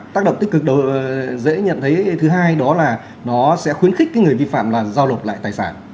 tác động tích cực dễ nhận thấy thứ hai đó là nó sẽ khuyến khích cái người vi phạm là giao lộp lại tài sản